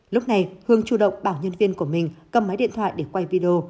lúc này hương chủ động bảo nhân viên của mình cầm máy điện thoại để quay video